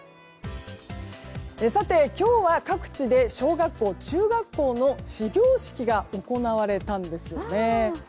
さて、今日は各地で小学校、中学校の始業式が行われたんですよね。